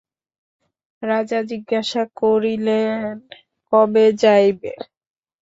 রাজা জিজ্ঞাসা করিলেন, কবে যাইবে।